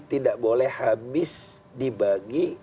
tidak boleh habis dibagi